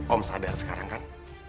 om sadar sekarang kan